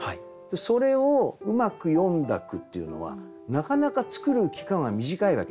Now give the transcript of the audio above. それをうまく詠んだ句っていうのはなかなか作る期間は短いわけですよ。